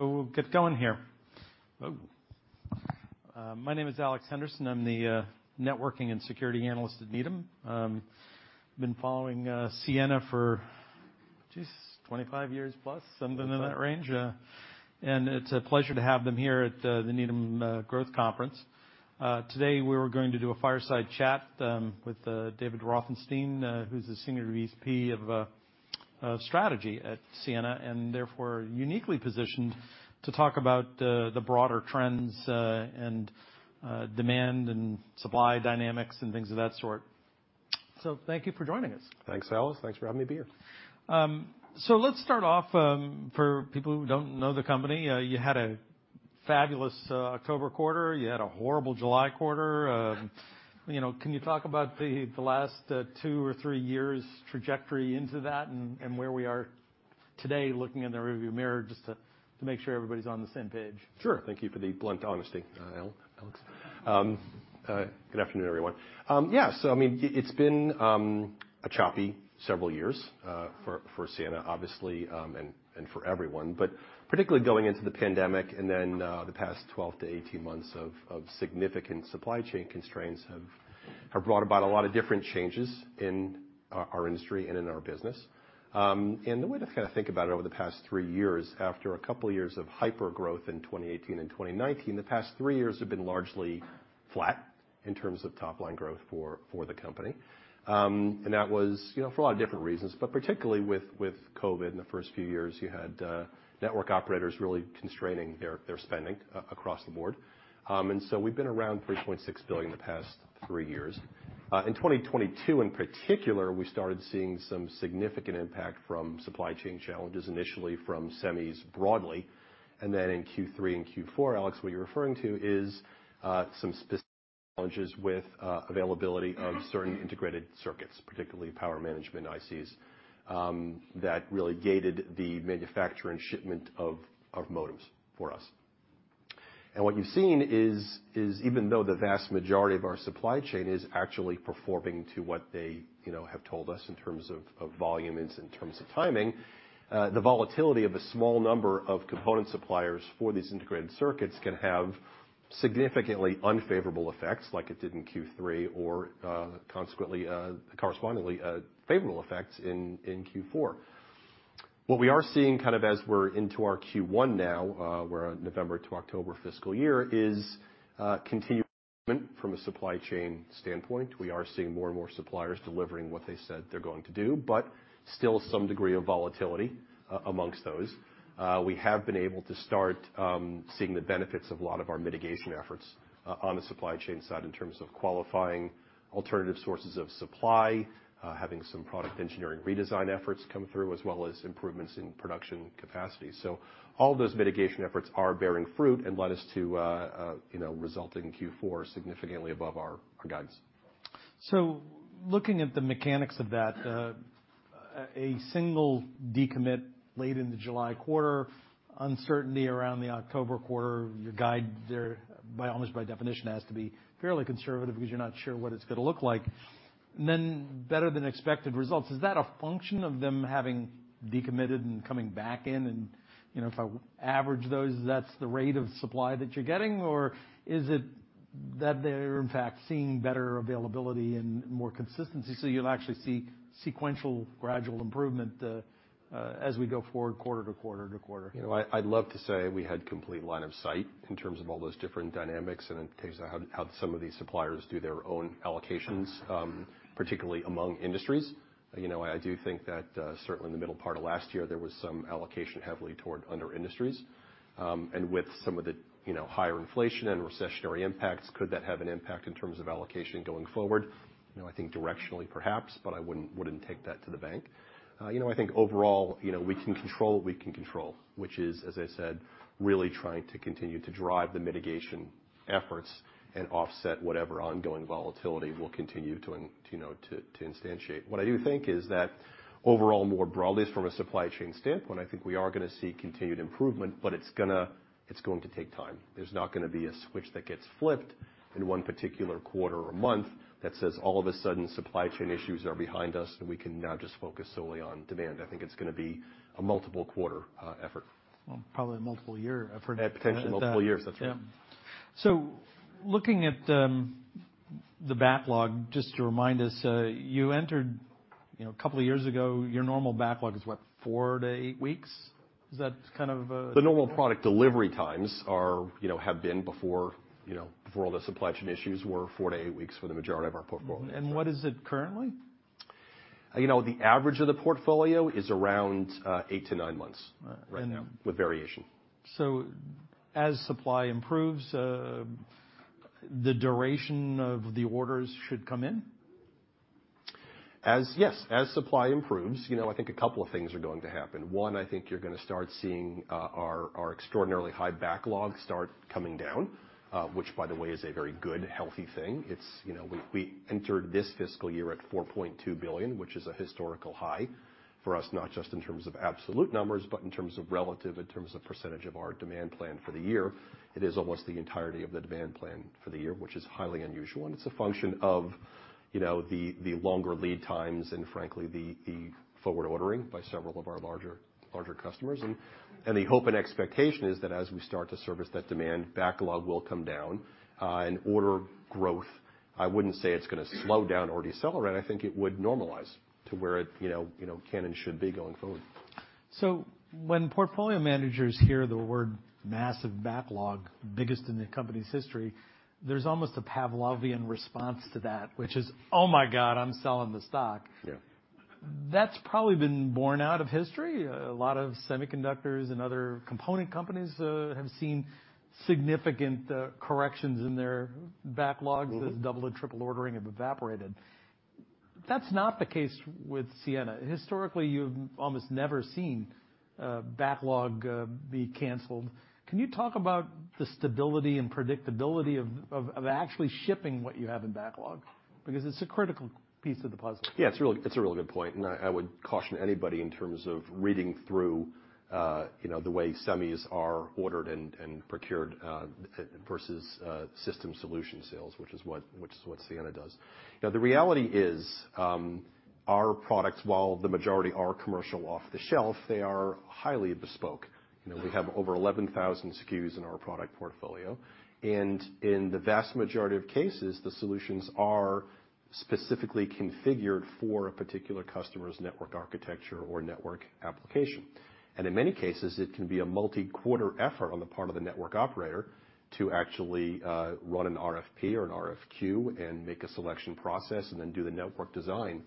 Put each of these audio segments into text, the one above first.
We'll get going here. My name is Alex Henderson. I'm the networking and security analyst at Needham. been following Ciena for geez, 25 years plus, something in that range. and it's a pleasure to have them here at the Needham Growth Conference. Today, we're going to do a fireside chat with David Rothenstein, who's the Senior VP of Strategy at Ciena, and therefore uniquely positioned to talk about the broader trends, and demand and supply dynamics and things of that sort. Thank you for joining us. Thanks, Alex. Thanks for having me be here. Let's start off, for people who don't know the company, you had a fabulous October quarter. You had a horrible July quarter. You know, can you talk about the last two or three years trajectory into that and where we are today looking in the rearview mirror just to make sure everybody's on the same page? Sure. Thank you for the blunt honesty, Alex. Good afternoon, everyone. Yeah, I mean, it's been a choppy several years for Ciena obviously, and for everyone. Particularly going into the pandemic and then, the past 12 to 18 months of significant supply chain constraints have brought about a lot of different changes in our industry and in our business. The way to kind of think about it over the past three years, after a couple years of hyper growth in 2018 and 2019, the past three years have been largely flat in terms of top line growth for the company. That was, you know, for a lot of different reasons, but particularly with COVID in the first few years, you had network operators really constraining their spending across the board. We've been around $3.6 billion the past three years. In 2022 in particular, we started seeing some significant impact from supply chain challenges, initially from semis broadly. Then in Q3 and Q4, Alex, what you're referring to is some specific challenges with availability of certain integrated circuits, particularly Power Management ICs, that really gated the manufacture and shipment of modems for us. What you've seen is, even though the vast majority of our supply chain is actually performing to what they, you know, have told us in terms of volume and in terms of timing, the volatility of a small number of component suppliers for these integrated circuits can have significantly unfavorable effects, like it did in Q3 or, consequently, correspondingly, favorable effects in Q4. What we are seeing kind of as we're into our Q1 now, we're on November to October fiscal year, is continued improvement from a supply chain standpoint. We are seeing more and more suppliers delivering what they said they're going to do, but still some degree of volatility amongst those. We have been able to start, seeing the benefits of a lot of our mitigation efforts on the supply chain side in terms of qualifying alternative sources of supply, having some product engineering redesign efforts come through, as well as improvements in production capacity. All those mitigation efforts are bearing fruit and led us to, you know, result in Q4 significantly above our guidance. Looking at the mechanics of that, a single decommit late in the July quarter, uncertainty around the October quarter, your guide there, by almost by definition, has to be fairly conservative because you're not sure what it's gonna look like. Then better than expected results. Is that a function of them having decommitted and coming back in and, you know, if I average those, that's the rate of supply that you're getting? Or is it that they're, in fact, seeing better availability and more consistency, so you'll actually see sequential gradual improvement, as we go forward quarter to quarter to quarter? I'd love to say we had complete line of sight in terms of all those different dynamics and in terms of how some of these suppliers do their own allocations, particularly among industries. You know, I do think that certainly in the middle part of last year, there was some allocation heavily toward other industries. With some of the, you know, higher inflation and recessionary impacts, could that have an impact in terms of allocation going forward? You know, I think directionally, perhaps, but I wouldn't take that to the bank. You know, I think overall, you know, we can control what we can control, which is, as I said, really trying to continue to drive the mitigation efforts and offset whatever ongoing volatility we'll continue to, you know, to instantiate. What I do think is that overall more broadly is from a supply chain standpoint, I think we are going to see continued improvement, but it's going to take time. There's not going to be a switch that gets flipped in one particular quarter or month that says all of a sudden supply chain issues are behind us, and we can now just focus solely on demand. I think it's going to be a multiple quarter effort. Well, probably a multiple year effort at that. At potentially multiple years. That's right. Yeah. Looking at, the backlog, just to remind us, you entered, you know, a couple of years ago, your normal backlog is what, four-eight weeks? The normal product delivery times are, you know, have been before, you know, before all the supply chain issues were four to eight weeks for the majority of our portfolio. What is it currently? You know, the average of the portfolio is around eight to nine months right now. And. With variation. As supply improves, the duration of the orders should come in? Yes, as supply improves, you know, I think a couple of things are going to happen. One, I think you're gonna start seeing our extraordinarily high backlog start coming down, which, by the way, is a very good, healthy thing. It's, you know, we entered this fiscal year at $4.2 billion, which is a historical high for us, not just in terms of absolute numbers, but in terms of relative, in terms of percentage of our demand plan for the year. It is almost the entirety of the demand plan for the year, which is highly unusual, and it's a function of, you know, the longer lead times and frankly, the forward ordering by several of our larger customers and the hope and expectation is that as we start to service that demand, backlog will come down. Order growth, I wouldn't say it's gonna slow down or decelerate. I think it would normalize to where it, you know, can and should be going forward. When portfolio managers hear the word massive backlog, biggest in the company's history, there's almost a Pavlovian response to that, which is, "Oh my God, I'm selling the stock. Yeah. That's probably been borne out of history. A lot of semiconductors and other component companies, have seen significant corrections in their backlogs as double and triple ordering have evaporated. That's not the case with Ciena. Historically, you've almost never seen backlog be canceled. Can you talk about the stability and predictability of actually shipping what you have in backlog? Because it's a critical piece of the puzzle. Yeah, it's a really good point, I would caution anybody in terms of reading through, you know, the way semis are ordered and procured, versus system solution sales, which is what Ciena does. Now, the reality is, our products, while the majority are commercial off-the-shelf, they are highly bespoke. You know, we have over 11,000 SKUs in our product portfolio. In the vast majority of cases, the solutions are specifically configured for a particular customer's network architecture or network application. In many cases, it can be a multi-quarter effort on the part of the network operator to actually run an RFP or an RFQ and make a selection process and then do the network design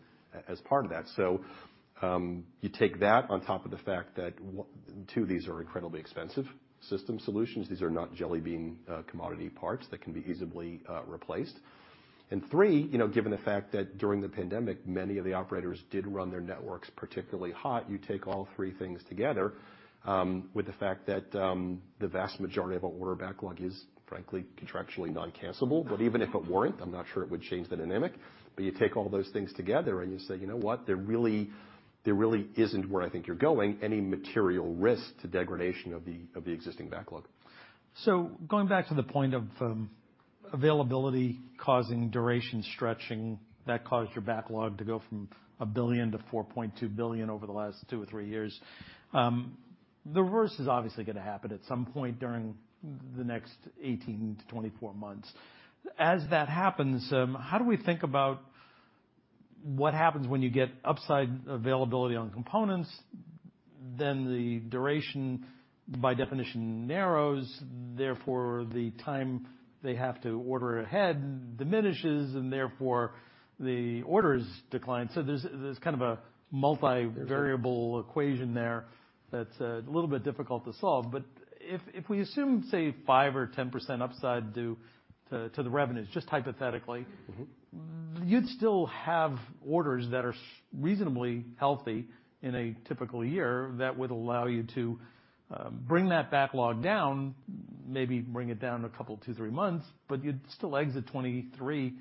as part of that. You take that on top of the fact that two of these are incredibly expensive system solutions. These are not jellybean commodity parts that can be easily replaced. Three, you know, given the fact that during the pandemic, many of the operators did run their networks particularly hot, you take all three things together with the fact that the vast majority of our order backlog is, frankly, contractually non-cancellable. Even if it weren't, I'm not sure it would change the dynamic. You take all those things together and you say, "You know what? There really isn't where I think you're going, any material risk to degradation of the existing backlog. Going back to the point of availability causing duration stretching that caused your backlog to go from $1 billion to $4.2 billion over the last two or three years, the reverse is obviously gonna happen at some point during the next 18-24 months. As that happens, how do we think about what happens when you get upside availability on components, then the duration by definition narrows, therefore the time they have to order ahead diminishes, and therefore the orders decline. There's kind of a multivariable equation there that's a little bit difficult to solve. If we assume, say, 5% or 10% upside due to the revenues, just hypothetically. You'd still have orders that are reasonably healthy in a typical year that would allow you to bring that backlog down, maybe bring it down a couple, two, three months, but you'd still exit 2023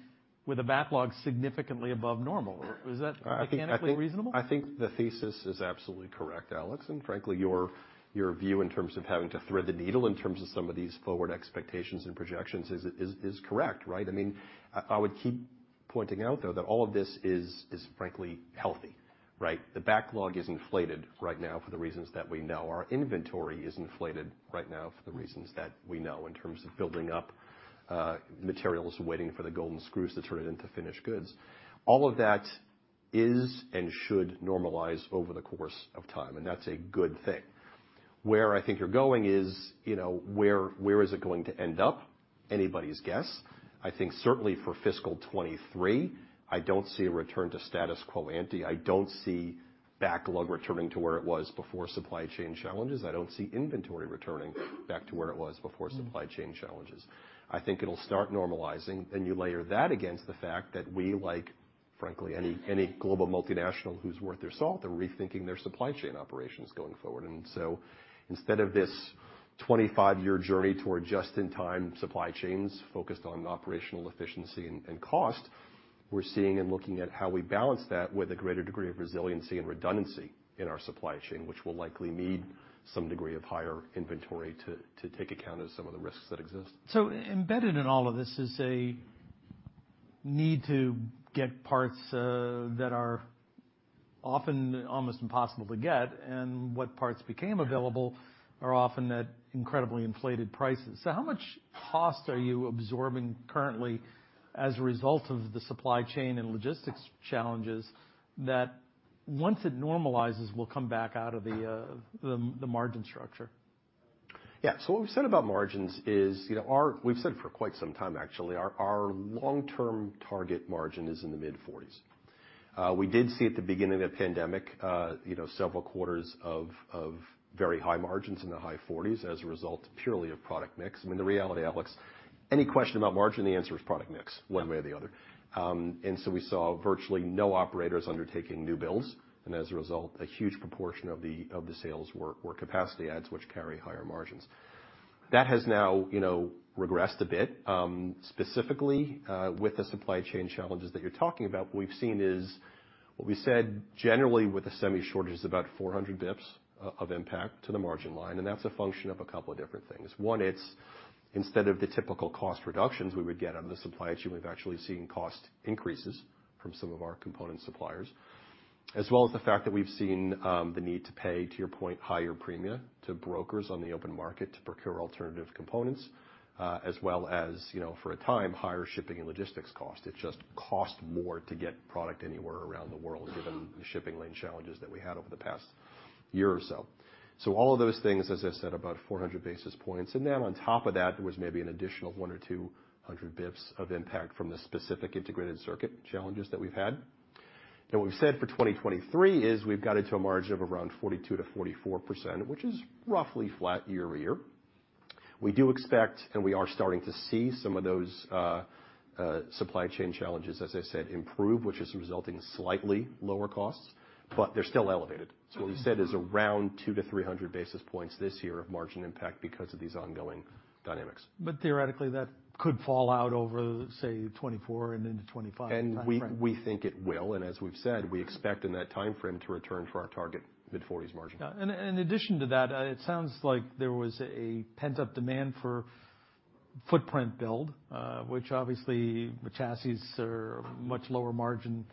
with a backlog significantly above normal. Is that mechanically reasonable? I think the thesis is absolutely correct, Alex, and frankly, your view in terms of having to thread the needle in terms of some of these forward expectations and projections is correct, right? I mean, I would keep pointing out, though, that all of this is frankly healthy, right? The backlog is inflated right now for the reasons that we know. Our inventory is inflated right now for the reasons that we know in terms of building up materials, waiting for the golden screw to turn it into finished goods. All of that is and should normalize over the course of time, and that's a good thing. Where I think you're going is, you know, where is it going to end up? Anybody's guess. I think certainly for fiscal 2023, I don't see a return to status quo ante. I don't see backlog returning to where it was before supply chain challenges. I don't see inventory returning back to where it was before supply chain challenges. I think it'll start normalizing. You layer that against the fact that we, like, frankly, any global multinational who's worth their salt, are rethinking their supply chain operations going forward. Instead of this 25-year journey toward just-in-time supply chains focused on operational efficiency and cost, we're seeing and looking at how we balance that with a greater degree of resiliency and redundancy in our supply chain, which will likely need some degree of higher inventory to take account of some of the risks that exist. Embedded in all of this is a need to get parts that are often almost impossible to get, and what parts became available are often at incredibly inflated prices. How much cost are you absorbing currently as a result of the supply chain and logistics challenges that once it normalizes, will come back out of the margin structure? What we've said about margins is, you know, we've said it for quite some time, actually. Our long-term target margin is in the mid-forties. We did see at the beginning of the pandemic, you know, several quarters of very high margins in the high forties as a result purely of product mix. I mean, the reality, Alex, any question about margin, the answer is product mix one way or the other. We saw virtually no operators undertaking new builds, and as a result, a huge proportion of the sales were capacity adds which carry higher margins. That has now, you know, regressed a bit. Specifically, with the supply chain challenges that you're talking about, what we've seen is what we said, generally with the semi-shortage is about 400 basis points of impact to the margin line. That's a function of a couple of different things. One, it's instead of the typical cost reductions we would get out of the supply chain, we've actually seen cost increases from some of our component suppliers. As well as the fact that we've seen the need to pay, to your point, higher premia to brokers on the open market to procure alternative components, as well as, you know, for a time, higher shipping and logistics costs. It just cost more to get product anywhere around the world, given the shipping lane challenges that we had over the past year or so. All of those things, as I said, about 400 basis points. On top of that, there was maybe an additional 100 or 200 basis points of impact from the specific integrated circuit challenges that we've had. Now, we've said for 2023 is we've got it to a margin of around 42%-44%, which is roughly flat year-over-year. We do expect, and we are starting to see some of those supply chain challenges, as I said, improve, which is resulting in slightly lower costs, but they're still elevated. What we've said is around 200-300 basis points this year of margin impact because of these ongoing dynamics. Theoretically, that could fall out over, say, 2024 and into 2025 timeframe. We think it will. As we've said, we expect in that timeframe to return for our target mid-40s margin. Yeah. In addition to that, it sounds like there was a pent-up demand for footprint build, which obviously the chassis are much lower margin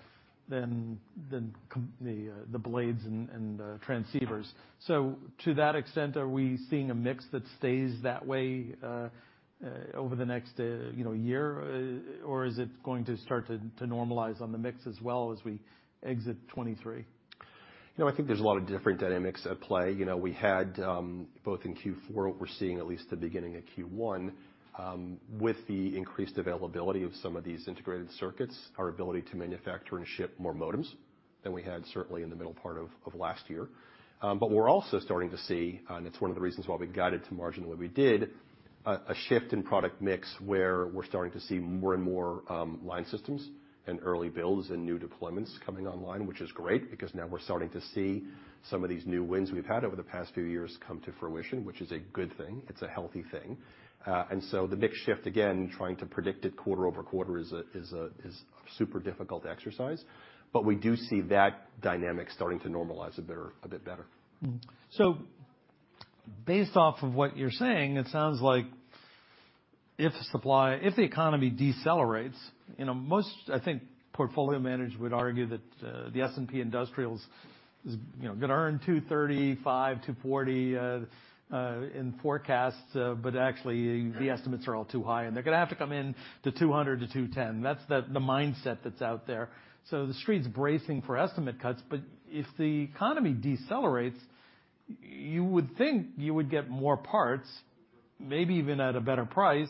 than the blades and transceivers. To that extent, are we seeing a mix that stays that way over the next, you know, year? Or is it going to start to normalize on the mix as well as we exit 2023? You know, I think there's a lot of different dynamics at play. You know, we had, both in Q4, what we're seeing at least the beginning of Q1, with the increased availability of some of these integrated circuits, our ability to manufacture and ship more modems than we had certainly in the middle part of last year. We're also starting to see, and it's one of the reasons why we guided to margin the way we did, a shift in product mix, where we're starting to see more and more, line systems and early builds and new deployments coming online, which is great because now we're starting to see some of these new wins we've had over the past few years come to fruition, which is a good thing. It's a healthy thing. The mix shift, again, trying to predict it quarter-over-quarter is super difficult exercise. But we do see that dynamic starting to normalize a better, a bit better. Based off of what you're saying, it sounds like if supply, if the economy decelerates, you know, most, I think, portfolio managers would argue that the S&P industrials is, you know, gonna earn $235-$240 in forecasts, but actually the estimates are all too high, and they're gonna have to come in to $200-$210. That's the mindset that's out there. The Street's bracing for estimate cuts. If the economy decelerates, you would think you would get more parts, maybe even at a better price,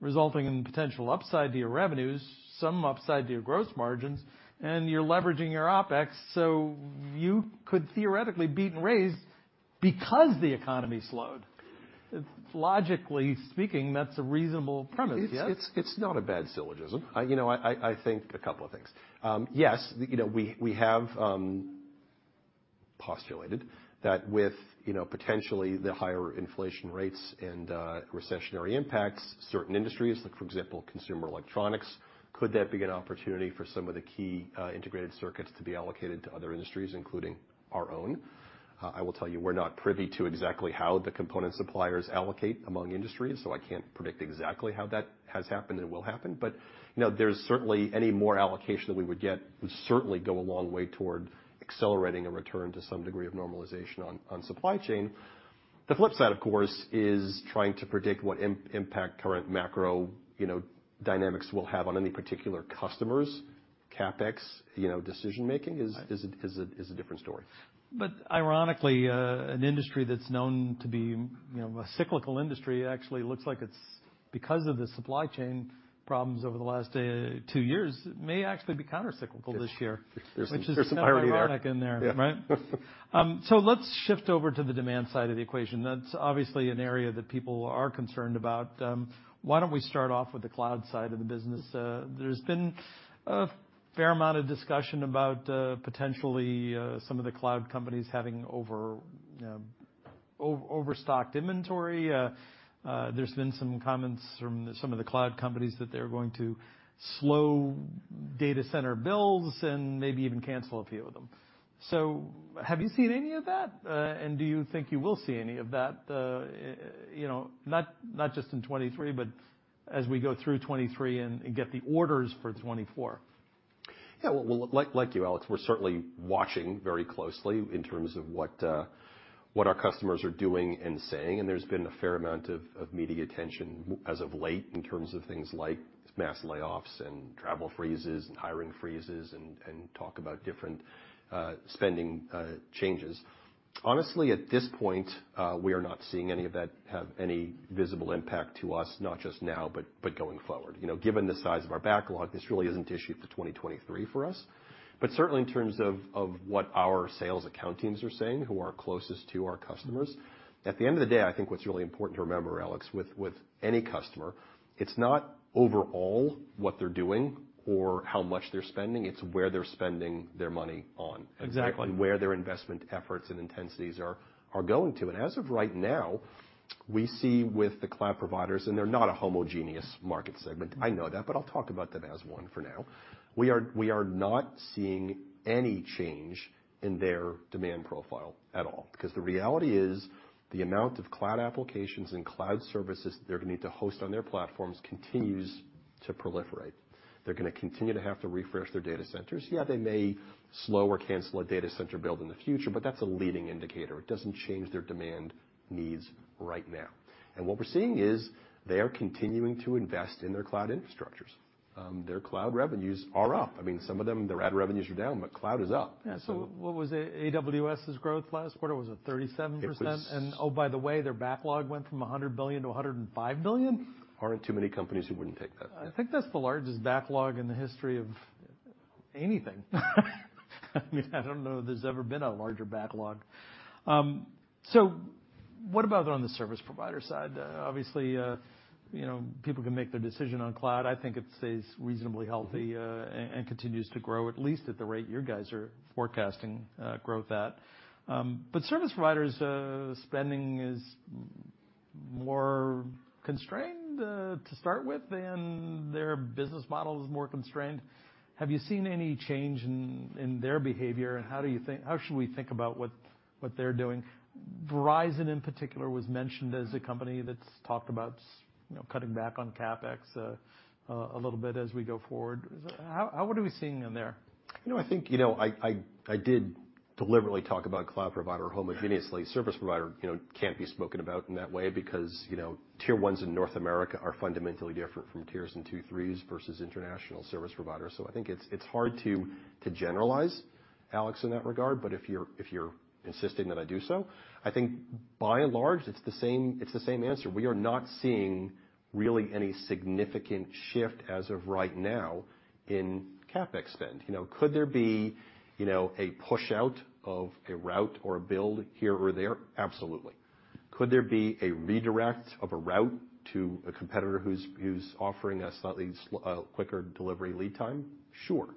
resulting in potential upside to your revenues, some upside to your gross margins, and you're leveraging your OpEx, so you could theoretically beat and raise because the economy slowed. Logically speaking, that's a reasonable premise, yes? It's not a bad syllogism. I, you know, I think a couple of things. Yes, you know, we have postulated that with, you know, potentially the higher inflation rates and recessionary impacts certain industries, like for example, consumer electronics, could that be an opportunity for some of the key integrated circuits to be allocated to other industries, including our own? I will tell you, we're not privy to exactly how the component suppliers allocate among industries, so I can't predict exactly how that has happened and will happen. You know, there's certainly any more allocation that we would get would certainly go a long way toward accelerating a return to some degree of normalization on supply chain. The flip side, of course, is trying to predict what impact current macro, you know, dynamics will have on any particular customers. CapEx, you know, decision-making is a different story. Ironically, an industry that's known to be, you know, a cyclical industry actually looks like it's because of the supply chain problems over the last, two years, may actually be countercyclical this year. Yes. There's some irony there. Which is kind of ironic in there, right? Yeah. Let's shift over to the demand side of the equation. That's obviously an area that people are concerned about. Why don't we start off with the cloud side of the business? There's been a fair amount of discussion about potentially some of the cloud companies having overstocked inventory. There's been some comments from some of the cloud companies that they're going to slow data center builds and maybe even cancel a few of them. Have you seen any of that? Do you think you will see any of that, you know, not just in 2023, but as we go through 2023 and get the orders for 2024? Well, like you, Alex, we're certainly watching very closely in terms of what our customers are doing and saying, and there's been a fair amount of media attention as of late in terms of things like mass layoffs and travel freezes and hiring freezes and talk about different spending changes. Honestly, at this point, we are not seeing any of that have any visible impact to us, not just now, but going forward. You know, given the size of our backlog, this really isn't an issue for 2023 for us. Certainly, in terms of what our sales account teams are saying, who are closest to our customers, at the end of the day, I think what's really important to remember, Alex, with any customer, it's not overall what they're doing or how much they're spending, it's where they're spending their money on. Exactly. Where their investment efforts and intensities are going to. As of right now, we see with the cloud providers, and they're not a homogeneous market segment, I know that, but I'll talk about them as one for now. We are not seeing any change in their demand profile at all, because the reality is, the amount of cloud applications and cloud services they're gonna need to host on their platforms continues to proliferate. They're gonna continue to have to refresh their data centers. Yeah, they may slow or cancel a data center build in the future, but that's a leading indicator. It doesn't change their demand needs right now. What we're seeing is they are continuing to invest in their cloud infrastructures. Their cloud revenues are up. I mean, some of them, their ad revenues are down, but cloud is up, so. Yeah. What was AWS's growth last quarter? Was it 37%? It was. Oh, by the way, their backlog went from $100 billion to $105 billion. Aren't too many companies who wouldn't take that. I think that's the largest backlog in the history of anything. I mean, I don't know if there's ever been a larger backlog. What about on the service provider side? Obviously, you know, people can make their decision on cloud. I think it stays reasonably healthy and continues to grow, at least at the rate you guys are forecasting growth at. Service providers spending is more constrained to start with, and their business model is more constrained. Have you seen any change in their behavior, and how should we think about what they're doing? Verizon in particular was mentioned as a company that's talked about, you know, cutting back on CapEx a little bit as we go forward. How are we seeing them there? I think, you know, I did deliberately talk about cloud provider homogeneously. Service provider can't be spoken about in that way because tier ones in North America are fundamentally different from Tiers in 2s and 3s versus international service providers. I think it's hard to generalize, Alex, in that regard, but if you're insisting that I do so, I think by and large it's the same answer. We are not seeing really any significant shift as of right now in CapEx spend. Could there be a push out of a route or a build here or there? Absolutely. Could there be a redirect of a route to a competitor who's offering a slightly quicker delivery lead time? Sure.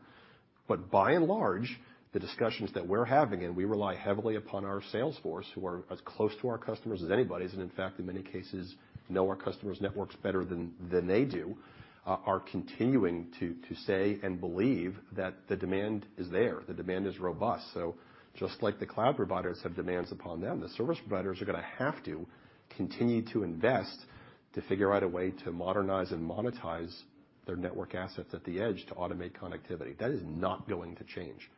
By and large, the discussions that we're having, and we rely heavily upon our sales force, who are as close to our customers as anybody, and in fact in many cases know our customers' networks better than they do, are continuing to say and believe that the demand is there. The demand is robust. Just like the cloud providers have demands upon them, the service providers are gonna have to continue to invest to figure out a way to modernize and monetize their network assets at the edge to automate connectivity. That is not going to change.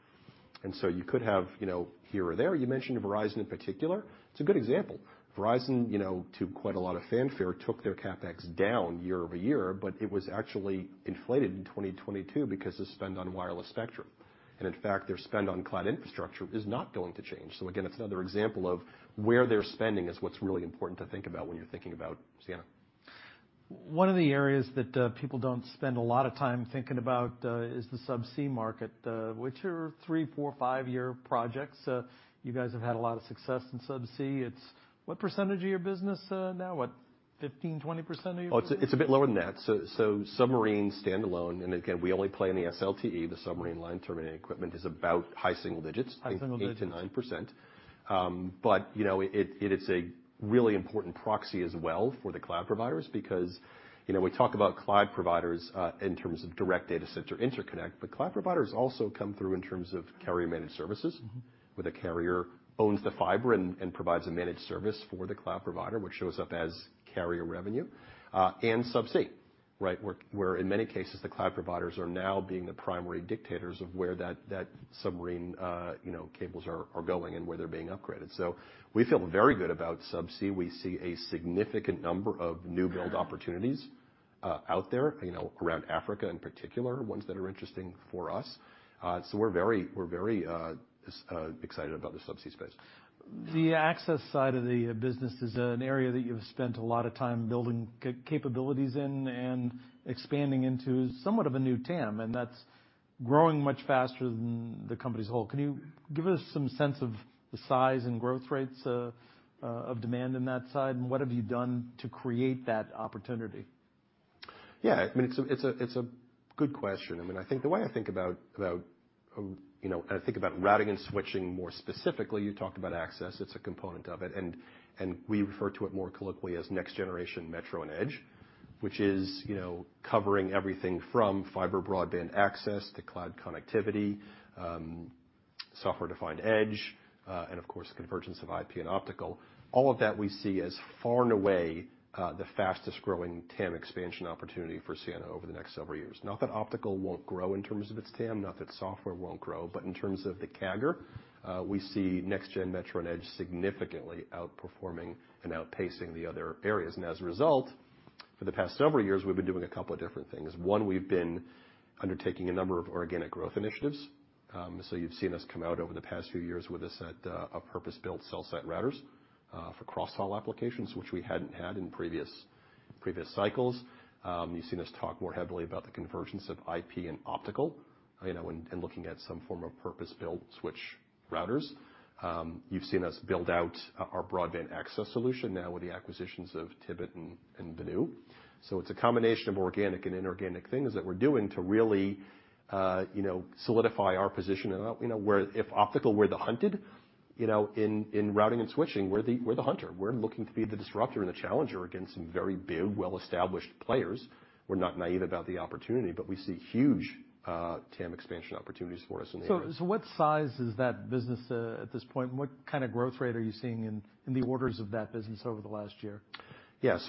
You could have, you know, here or there. You mentioned Verizon in particular. It's a good example. Verizon, you know, to quite a lot of fanfare, took their CapEx down year-over-year. It was actually inflated in 2022 because of spend on wireless spectrum. In fact, their spend on cloud infrastructure is not going to change. Again, it's another example of where they're spending is what's really important to think about when you're thinking about Ciena. One of the areas that people don't spend a lot of time thinking about is the subsea market, which are three, four, five-year projects. You guys have had a lot of success in subsea. It's what percentage of your business now? What, 15%, 20% of your business? It's a bit lower than that. Submarine standalone, and again, we only play in the SLTE, the submarine line terminating equipment is about high single digits. High single digits. 8%-9%. You know, it is a really important proxy as well for the cloud providers because, you know, we talk about cloud providers, in terms of direct data center interconnect, but cloud providers also come through in terms of carrier managed services, where the carrier owns the fiber and provides a managed service for the cloud provider, which shows up as carrier revenue and subsea, right? Where in many cases the cloud providers are now being the primary dictators of where that submarine, you know, cables are going and where they're being upgraded. We feel very good about subsea. We see a significant number of new build opportunities. Yeah. Out there, you know, around Africa in particular, ones that are interesting for us. We're very excited about the subsea space. The access side of the business is an area that you've spent a lot of time building capabilities in and expanding into somewhat of a new TAM, and that's growing much faster than the company as a whole. Can you give us some sense of the size and growth rates of demand in that side, and what have you done to create that opportunity? Yeah, I mean, it's a good question. I mean, I think the way I think about routing and switching more specifically, you talked about access. It's a component of it and we refer to it more colloquially as Next-Generation Metro and Edge, which is, you know, covering everything from fiber broadband access to cloud connectivity, software-defined edge, and of course convergence of IP and optical. All of that we see as far and away the fastest growing TAM expansion opportunity for Ciena over the next several years. Not that optical won't grow in terms of its TAM, not that software won't grow, but in terms of the CAGR, we see Next-Generation Metro and Edge significantly outperforming and outpacing the other areas. As a result, for the past several years, we've been doing a couple of different things. One, we've been undertaking a number of organic growth initiatives. You've seen us come out over the past few years with a set of purpose-built cell site routers for xHaul applications, which we hadn't had in previous cycles. You've seen us talk more heavily about the convergence of IP and optical, you know, and looking at some form of purpose-built switch routers. You've seen us build out our broadband access solution now with the acquisitions of Tibit and Benu. It's a combination of organic and inorganic things that we're doing to really, you know, solidify our position. You know, where if optical were the hunted, you know, in routing and switching, we're the hunter. We're looking to be the disruptor and the challenger against some very big, well-established players. We're not naive about the opportunity, but we see huge TAM expansion opportunities for us in the area. What size is that business at this point? What kind of growth rate are you seeing in the orders of that business over the last year?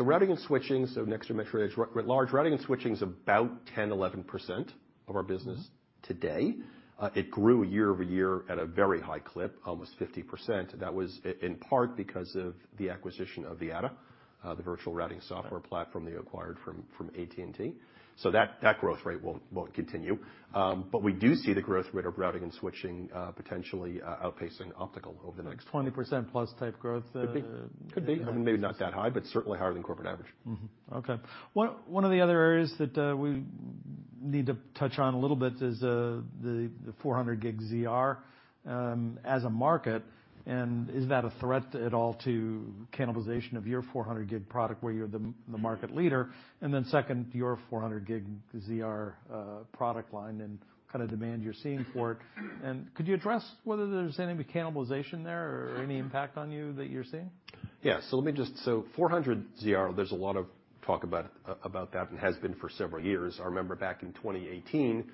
Routing and switching, next generation at large, routing and switching is about 10, 11% of our business today. It grew year-over-year at a very high clip, almost 50%. That was in part because of the acquisition of Vyatta, the virtual routing software platform they acquired from AT&T. That growth rate won't continue. We do see the growth rate of routing and switching potentially outpacing optical over the next- 20% plus type growth. Could be. Could be. I mean, maybe not that high, but certainly higher than corporate average. Okay. One of the other areas that we need to touch on a little bit is the 400 gig ZR as a market, and is that a threat at all to cannibalization of your 400 gig product where you're the market leader? Second, your 400 gig ZR product line and kind of demand you're seeing for it. Could you address whether there's any cannibalization there or any impact on you that you're seeing? Yeah. Let me just. 400ZR, there's a lot of talk about that and has been for several years. I remember back in 2018,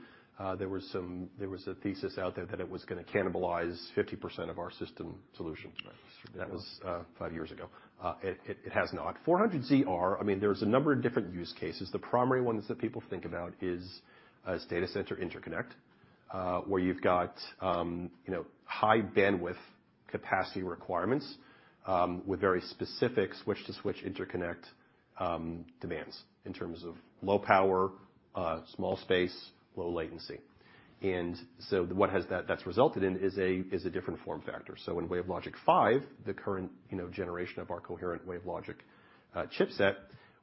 there was a thesis out there that it was gonna cannibalize 50% of our system solution. Right. That was five years ago. It has not. 400ZR, I mean, there's a number of different use cases. The primary ones that people think about is data center interconnect, where you've got, you know, high bandwidth capacity requirements, with very specific switch-to-switch interconnect, demands in terms of low power, small space, low latency. What has that's resulted in is a different form factor. In WaveLogic 5, the current, you know, generation of our coherent WaveLogic chipset,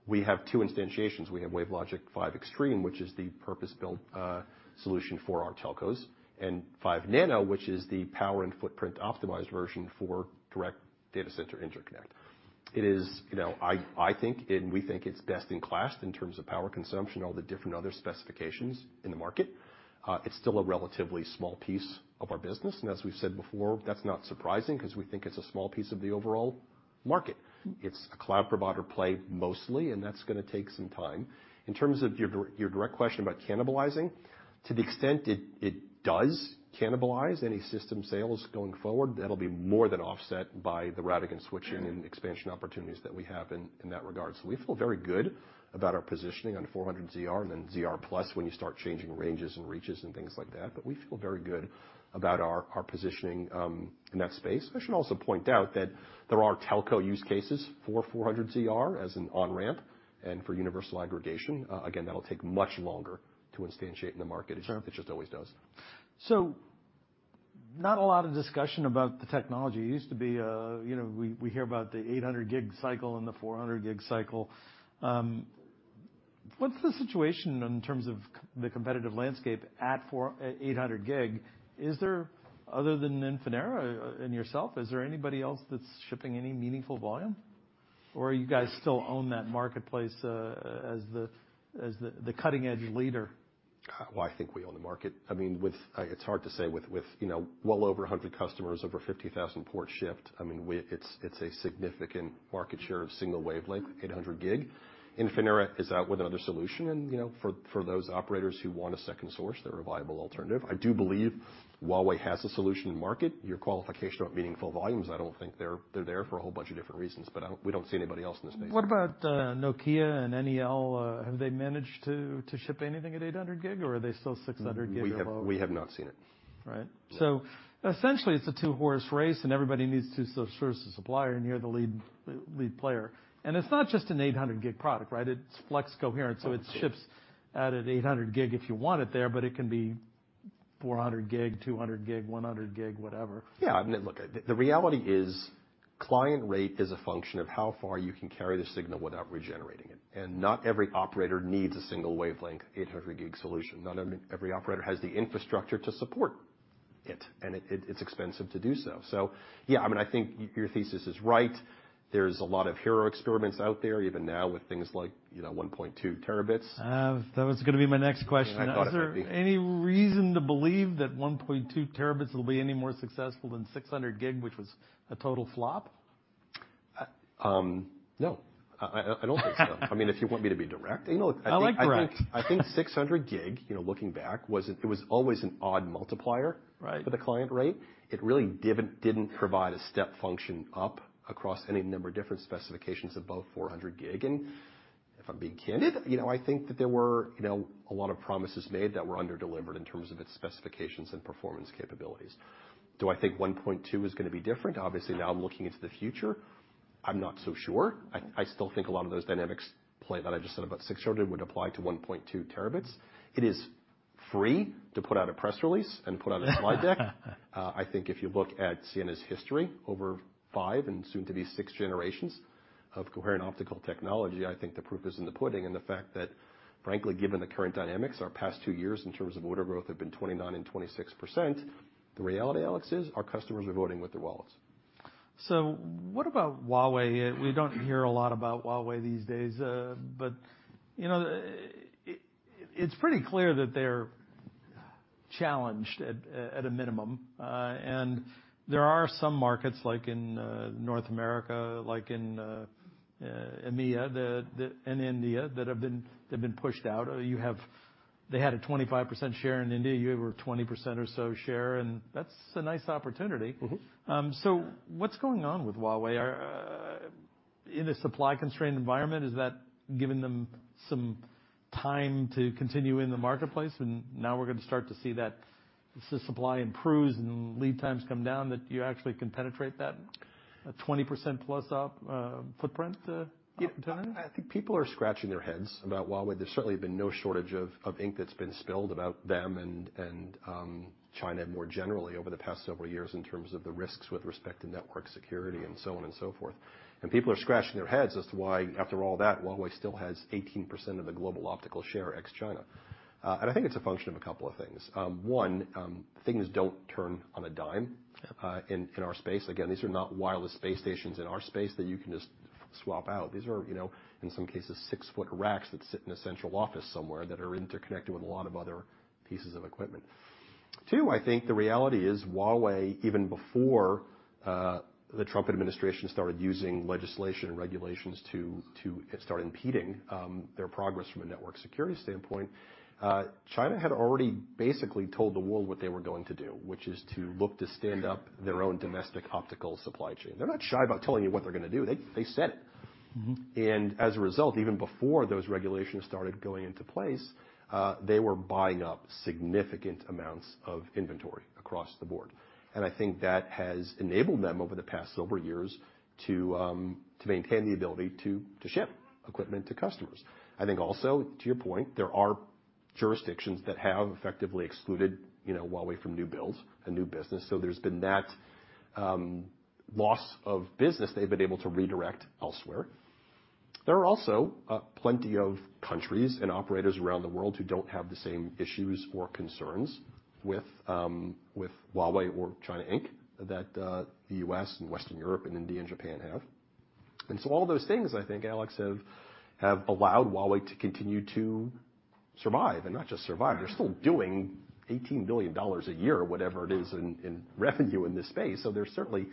we have two instantiations. We have WaveLogic 5 Extreme, which is the purpose-built solution for our telcos, and 5 Nano, which is the power and footprint optimized version for direct data center interconnect. It is, you know, I think and we think it's best in class in terms of power consumption, all the different other specifications in the market. It's still a relatively small piece of our business. As we've said before, that's not surprising because we think it's a small piece of the overall market. It's a cloud provider play mostly, and that's going to take some time. In terms of your direct question about cannibalizing, to the extent it does cannibalize any system sales going forward, that will be more than offset by the routing and switching and expansion opportunities that we have in that regard. We feel very good about our positioning on 400 ZR and then ZR+ when you start changing ranges and reaches and things like that. We feel very good about our positioning in that space. I should also point out that there are telco use cases for 400ZR as an on-ramp and for universal aggregation. Again, that'll take much longer to instantiate in the market. Sure. It just always does. Not a lot of discussion about the technology. It used to be, you know, we hear about the 800 gig cycle and the 400 gig cycle. What's the situation in terms of the competitive landscape at 800 gig? Is there, other than Infinera and yourself, is there anybody else that's shipping any meaningful volume, or you guys still own that marketplace, as the, as the cutting-edge leader? Well, I think we own the market. I mean, with, it's hard to say with, you know, well over 100 customers, over 50,000 ports shipped. I mean, it's a significant market share of single-wavelength, 800G. Infinera is out with another solution, you know, for those operators who want a second source, they're a viable alternative. I do believe Huawei has a solution in market. Your qualification of meaningful volumes, I don't think they're there for a whole bunch of different reasons, but we don't see anybody else in the space. What about Nokia and NEL? Have they managed to ship anything at 800G, or are they still 600G or lower? We have not seen it. Right. Yeah. Essentially, it's a two-horse race, and everybody needs to source a supplier, and you're the lead player. It's not just an 800 gig product, right? It's flex coherent, so it ships out at 800 gig if you want it there, but it can be 400 gig, 200 gig, 100 gig, whatever. I mean, look, the reality is client rate is a function of how far you can carry the signal without regenerating it, and not every operator needs a single-wavelength, 800 gig solution. Not every operator has the infrastructure to support it, and it's expensive to do so. I mean, I think your thesis is right. There's a lot of hero experiments out there even now with things like, you know, 1.2 terabits. That was gonna be my next question. Yeah, I thought it might be. Is there any reason to believe that 1.2 terabits will be any more successful than 600 gig, which was a total flop? No. I don't think so. I mean, if you want me to be direct, you know, look, I think. I like direct. I think 600 gig, you know, looking back, it was always an odd multiplier. Right. For the client rate. It really didn't provide a step function up across any number of different specifications above 400 gig. If I'm being candid, you know, I think that there were, you know, a lot of promises made that were under-delivered in terms of its specifications and performance capabilities. Do I think 1.2 is gonna be different? Obviously, now I'm looking into the future. I'm not so sure. I still think a lot of those dynamics play, that I just said about 600, would apply to 1.2 terabits. It is free to put out a press release and put out a slide deck. I think if you look at Ciena's history over five and soon to be six generations of coherent optical technology, I think the proof is in the pudding and the fact that, frankly, given the current dynamics, our past two years in terms of order growth have been 29% and 26%. The reality, Alex, is our customers are voting with their wallets. What about Huawei? We don't hear a lot about Huawei these days. But, you know, it's pretty clear that they're challenged at a minimum. And there are some markets like in North America, like in EMEA, and India that have been pushed out. They had a 25% share in India, you have a 20% or so share, and that's a nice opportunity. What's going on with Huawei? In a supply constrained environment, is that giving them some time to continue in the marketplace, and now we're gonna start to see that as the supply improves and lead times come down, that you actually can penetrate that at 20% plus op footprint in China? I think people are scratching their heads about Huawei. There's certainly been no shortage of ink that's been spilled about them and China more generally over the past several years in terms of the risks with respect to network security and so on and so forth. People are scratching their heads as to why, after all that, Huawei still has 18% of the global optical share ex-China. I think it's a function of a couple of things. One, things don't turn on a dime in our space. Again, these are not wireless base stations in our space that you can just swap out. These are, you know, in some cases, six-foot racks that sit in a central office somewhere that are interconnected with a lot of other pieces of equipment. I think the reality is Huawei, even before the Trump administration started using legislation and regulations to start impeding their progress from a network security standpoint, China had already basically told the world what they were going to do, which is to look to stand up their own domestic optical supply chain. They're not shy about telling you what they're gonna do. They said it. As a result, even before those regulations started going into place, they were buying up significant amounts of inventory across the board. I think that has enabled them over the past several years to maintain the ability to ship equipment to customers. I think also, to your point, there are jurisdictions that have effectively excluded, you know, Huawei from new builds and new business. There's been that loss of business they've been able to redirect elsewhere. There are also plenty of countries and operators around the world who don't have the same issues or concerns with Huawei or China, Inc., that the U.S. and Western Europe and India and Japan have. All those things, I think, Alex, have allowed Huawei to continue to survive. Not just survive, they're still doing $18 billion a year, whatever it is, in revenue in this space. They're certainly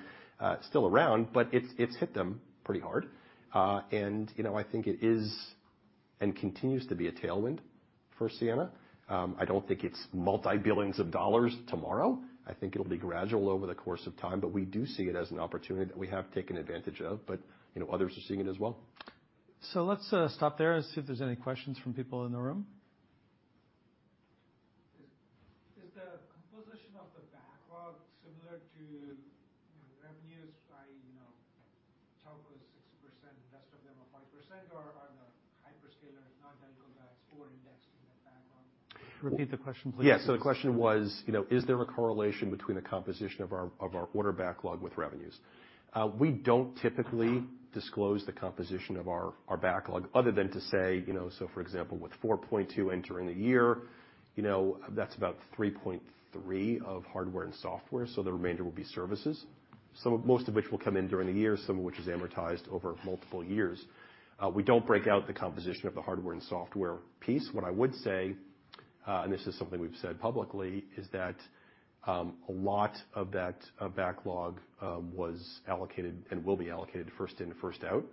still around, but it's hit them pretty hard. You know, I think it is and continues to be a tailwind for Ciena. I don't think it's multi-billions of dollars tomorrow. I think it'll be gradual over the course of time, but we do see it as an opportunity that we have taken advantage of. You know, others are seeing it as well. Let's stop there and see if there's any questions from people in the room. Is the composition of the backlog similar to revenues by, you know, telcos, 60%, rest of them are 40%? Or are the hyperscalers non-telco guys over-indexed in the backlog? Repeat the question, please. Yeah. The question was, is there a correlation between the composition of our order backlog with revenues? We don't typically disclose the composition of our backlog other than to say, for example, with $4.2 entering the year, that's about $3.3 of hardware and software, the remainder will be services. Most of which will come in during the year, some of which is amortized over multiple years. We don't break out the composition of the hardware and software piece. What I would say, and this is something we've said publicly, is that a lot of that backlog was allocated and will be allocated first in, first out.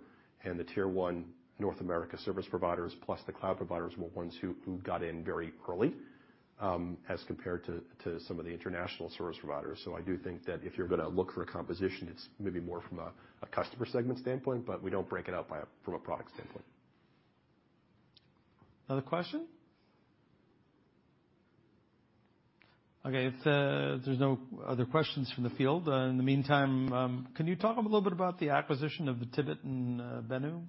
The Tier 1 North America service providers plus the cloud providers were ones who got in very early, as compared to some of the international service providers. I do think that if you're gonna look for a composition, it's maybe more from a customer segment standpoint, but we don't break it out by a, from a product standpoint. Another question? Okay. If there's no other questions from the field, in the meantime, can you talk a little bit about the acquisition of the Tibit and Benu Networks?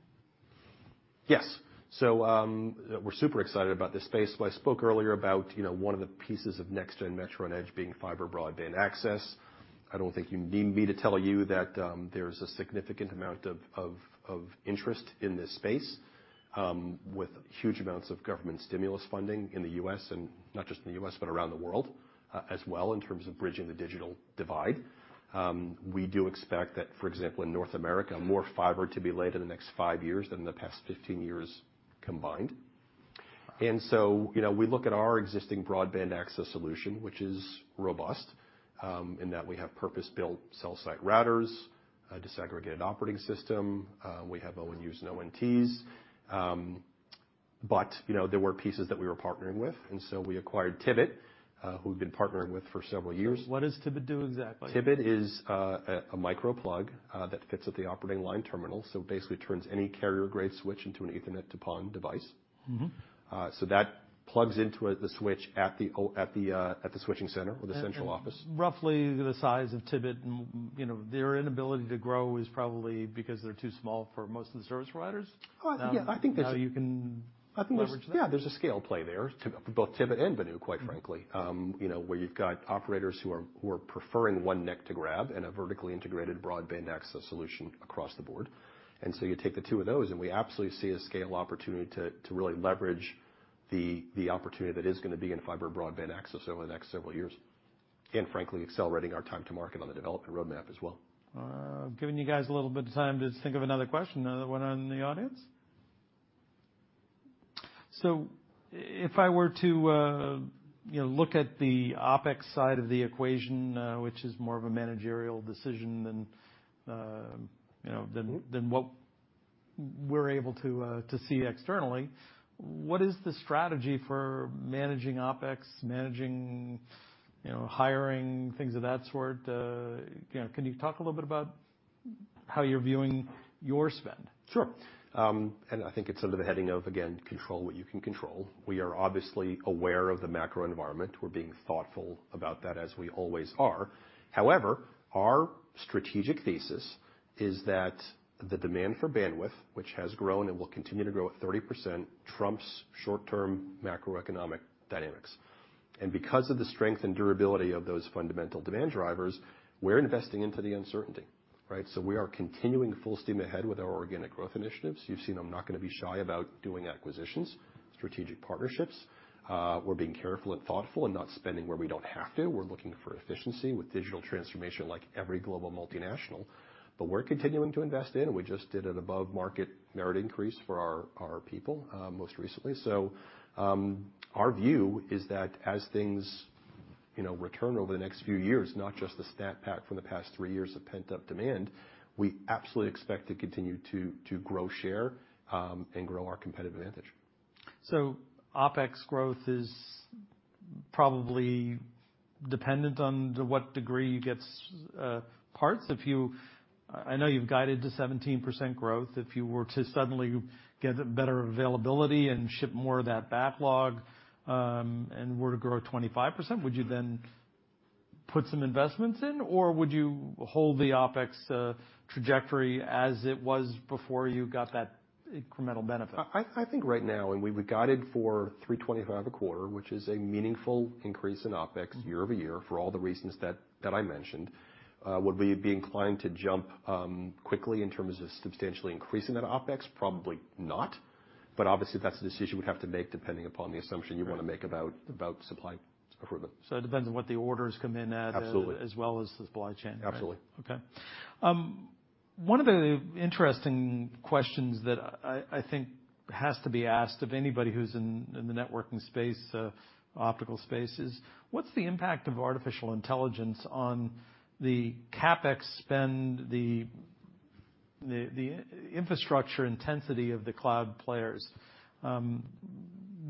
Yes. We're super excited about this space. I spoke earlier about, you know, one of the pieces of Next-Generation Metro and Edge being fiber broadband access. I don't think you need me to tell you that there's a significant amount of interest in this space with huge amounts of government stimulus funding in the U.S., and not just in the U.S., but around the world as well, in terms of bridging the digital divide. We do expect that, for example, in North America, more fiber to be laid in the next five years than in the past 15 years combined. You know, we look at our existing broadband access solution, which is robust, in that we have purpose-built cell site routers, a disaggregated operating system, we have ONUs and ONTs. You know, there were pieces that we were partnering with, we acquired Tibit, who we've been partnering with for several years. What does Tibit do exactly? Tibit is a microplug that fits with the Optical Line Terminal. Basically turns any carrier-grade switch into an Ethernet to PON device. That plugs into the switch at the switching center or the central office. Roughly the size of Tibit and, you know, their inability to grow is probably because they're too small for most of the service providers? Oh, I think, yeah. I think. Now you can leverage that. I think there's. Yeah, there's a scale play there to, both Tibit and Benu, quite frankly. you know, where you've got operators who are preferring one neck to grab and a vertically integrated fiber broadband access solution across the board. You take the two of those, and we absolutely see a scale opportunity to really leverage the opportunity that is gonna be in fiber broadband access over the next several years. Frankly, accelerating our time to market on the development roadmap as well. I've given you guys a little bit of time to think of another question. Another one in the audience? If I were to, you know, look at the OpEx side of the equation, which is more of a managerial decision than, you know, what we're able to see externally. What is the strategy for managing OpEx, managing, you know, hiring, things of that sort? You know, can you talk a little bit about how you're viewing your spend? Sure. I think it's under the heading of, again, control what you can control. We are obviously aware of the macro environment. We're being thoughtful about that as we always are. However, our strategic thesis is that the demand for bandwidth, which has grown and will continue to grow at 30% trumps short-term macroeconomic dynamics. Because of the strength and durability of those fundamental demand drivers, we're investing into the uncertainty, right? We are continuing full steam ahead with our organic growth initiatives. You've seen I'm not gonna be shy about doing acquisitions, strategic partnerships. We're being careful and thoughtful and not spending where we don't have to. We're looking for efficiency with digital transformation, like every global multinational. We're continuing to invest in. We just did an above market merit increase for our people most recently. Our view is that as things, you know, return over the next few years, not just the snapback from the past three years of pent-up demand, we absolutely expect to continue to grow share, and grow our competitive advantage. OpEx growth is probably dependent on to what degree you get parts. I know you've guided to 17% growth. If you were to suddenly get better availability and ship more of that backlog, and were to grow 25%, would you then put some investments in or would you hold the OpEx trajectory as it was before you got that incremental benefit? I think right now, we've guided for $3.25 a quarter, which is a meaningful increase in OpEx year-over-year for all the reasons that I mentioned. Would we be inclined to jump quickly in terms of substantially increasing that OpEx? Probably not. Obviously, that's a decision we'd have to make depending upon the assumption you wanna make about supply further. It depends on what the orders come in at. Absolutely. As well as the supply chain. Absolutely. Okay. One of the interesting questions that I think has to be asked of anybody who's in the networking space, optical space is what's the impact of artificial intelligence on the CapEx spend, the infrastructure intensity of the cloud players?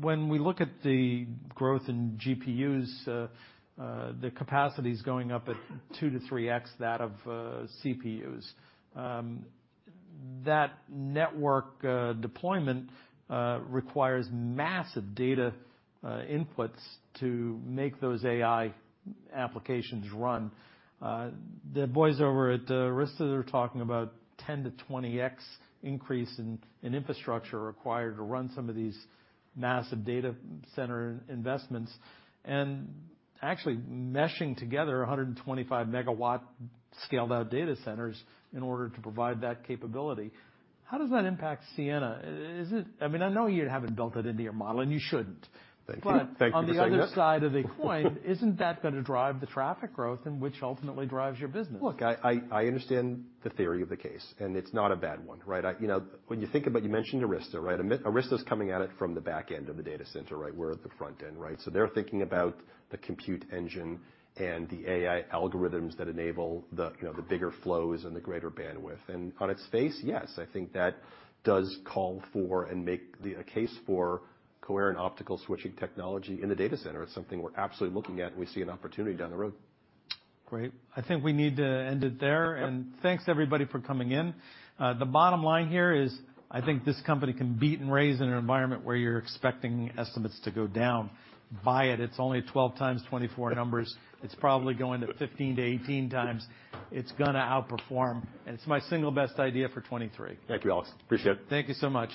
When we look at the growth in GPUs, the capacity is going up at 2x-3x that of CPUs. That network deployment requires massive data inputs to make those AI applications run. The boys over at Arista are talking about 10-20x increase in infrastructure required to run some of these massive data center investments, and actually meshing together 125 MW scaled out data centers in order to provide that capability. How does that impact Ciena? I mean, I know you haven't built it into your model, and you shouldn't. Thank you. Thank you for saying that. On the other side of the coin, isn't that gonna drive the traffic growth and which ultimately drives your business? Look, I understand the theory of the case, and it's not a bad one, right? You know, you mentioned Arista, right? Arista's coming at it from the back end of the data center, right? We're at the front end, right? They're thinking about the compute engine and the AI algorithms that enable the, you know, the bigger flows and the greater bandwidth. On its face, yes, I think that does call for and make a case for coherent optical switching technology in the data center. It's something we're absolutely looking at, and we see an opportunity down the road. Great. I think we need to end it there. Thanks, everybody, for coming in. The bottom line here is I think this company can beat and raise in an environment where you're expecting estimates to go down. Buy it. It's only at 12x 2024 numbers. It's probably going to 15-18x. It's gonna outperform, and it's my single best idea for 2023. Thank you, Alex. Appreciate it. Thank you so much.